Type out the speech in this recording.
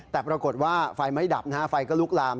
แต่ปรากฏว่าไฟไม่ดับนะฮะไฟก็ลุกลาม